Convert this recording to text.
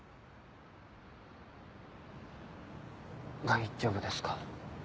大丈夫ですか？